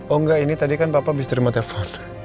oh enggak ini tadi kan papa abis terima telepon